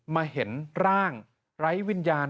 เห็นร่างไร้วิญญาณ